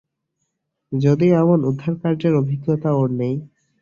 যদিও, এমন উদ্ধারকার্যের অভিজ্ঞতা ওর নেই।